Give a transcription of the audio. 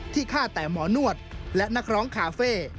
ฆ่าแต่หมอนวดและนักร้องคาเฟ่